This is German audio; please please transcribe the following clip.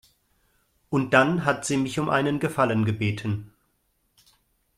Und dann hat sie mich um einen Gefallen gebeten.